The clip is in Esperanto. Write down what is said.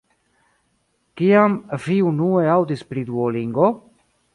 Kiam vi unue aŭdis pri Duolingo?